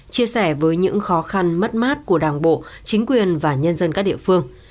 chia sẻ với những khó khăn mất mát của đảng bộ chính quyền và nhân dân các địa phương